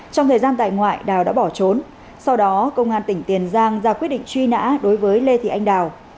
trong thời gian tại ngoại đào đã bỏ trốn sau đó công an tỉnh tiền giang ra quyết định truy nã đối với lê thị anh đào